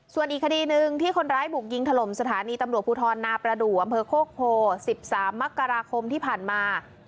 ส่วนอีกคดีหนึ่งที่คนร้ายบุกยิงถล่มสถานีตำรวจภูทรนาประดูกอำเภอโคกโพ๑๓มกราคมที่ผ่านมา